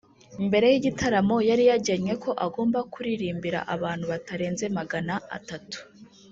Mbere y’igitaramo yari yaragennye ko agomba kuririmbira abantu batarenze magana atatu